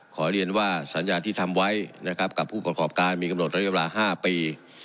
ขอเรียนว่าสัญญาที่ทำไว้นะครับกับผู้ประกอบการมีกำหนดระยะเวลา๕ปี